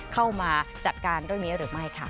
เข้ามาจัดการด้วยมั้ยหรือไม่ค่ะ